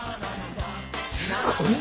すごいな。